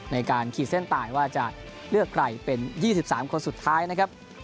ในการขีดเส้นตายว่าจะเลือกใครเป็น๒๓คนสุดท้ายนะครับ